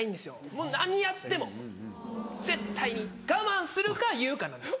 もう何やっても絶対に我慢するか言うかなんです。